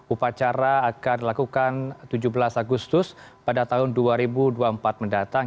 upacara akan dilakukan tujuh belas agustus pada tahun dua ribu dua puluh empat mendatang